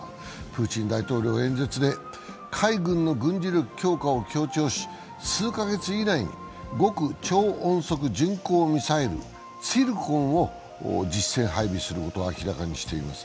プーチン大統領は演説で、海軍の軍事力強化を強調し数カ月以内に極超音速巡航ミサイル、ツィルコンを実戦配備することを明らかにしています。